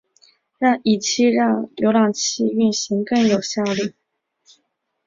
以期让浏览器运行更有效率。